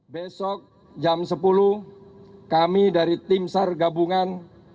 besok jam sepuluh kami dari tim sar gabungan